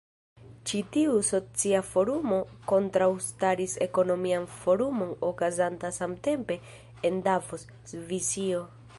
Ĉi tiu socia forumo kontraŭstaris ekonomian forumon okazantan samtempe en Davos, Svisio.